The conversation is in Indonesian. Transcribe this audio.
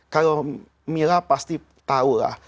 kalau mila pasti tahulah